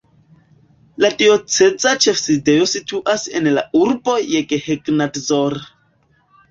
La dioceza ĉefsidejo situas en la urbo Jeghegnadzor.